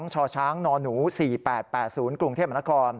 ๒ชชนหน๔๘๘๐กรุงเทพมค